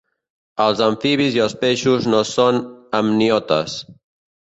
Els amfibis i els peixos no són amniotes.